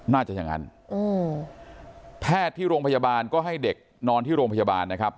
อย่างนั้นอืมแพทย์ที่โรงพยาบาลก็ให้เด็กนอนที่โรงพยาบาลนะครับ